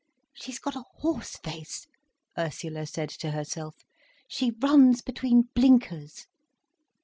"She's got a horse face," Ursula said to herself, "she runs between blinkers."